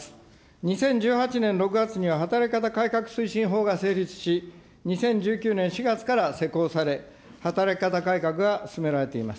２０１８年６月には、働き方改革推進法が成立し、２０１９年４月から施行され、働き方改革が進められています。